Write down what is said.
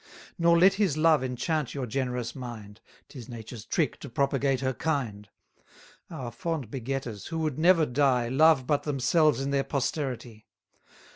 Nor let his love enchant your generous mind; 'Tis nature's trick to propagate her kind. Our fond begetters, who would never die, Love but themselves in their posterity.